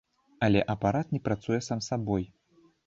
Але апарат не працуе сам сабой.